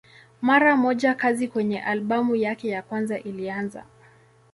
Mara moja kazi kwenye albamu yake ya kwanza ilianza.